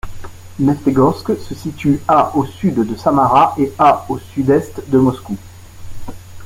Neftegorsk est située à au sud de Samara et à au sud-est de Moscou.